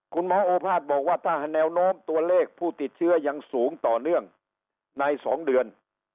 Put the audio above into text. โอภาษบอกว่าถ้าแนวโน้มตัวเลขผู้ติดเชื้อยังสูงต่อเนื่องใน๒เดือน